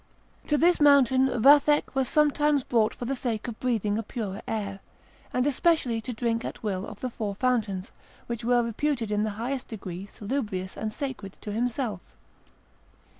To this mountain Vathek was sometimes brought for the sake of breathing a purer air, and especially to drink at will of the four fountains, which were reputed in the highest degree salubrious and sacred to himself.